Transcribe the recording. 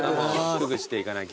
低くしていかなきゃ。